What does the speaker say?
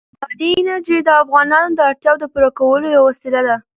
بادي انرژي د افغانانو د اړتیاوو د پوره کولو یوه وسیله ده.